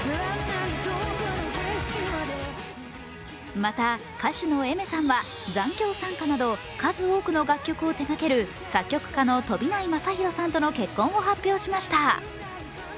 また歌手のＡｉｍｅｒさんは「残響散歌」など数多くの楽曲を手がける作曲家の飛内将大さんとの結婚を発表しました。